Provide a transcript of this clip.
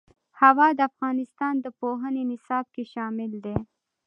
هوا د افغانستان د پوهنې نصاب کې شامل دي.